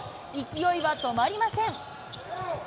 勢いは止まりません。